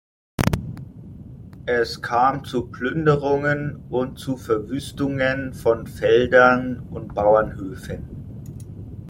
Es kam zu Plünderungen und zu Verwüstungen von Feldern und Bauernhöfen.